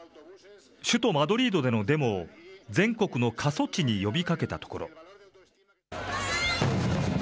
首都マドリードでのデモを、全国の過疎地に呼びかけたところ。